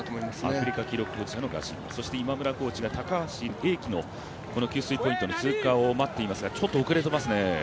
アフリカ記録保持者のガシンバ、そして今村コーチが高橋英輝の給水ポイントの通過を待っていますがちょっと遅れていますね。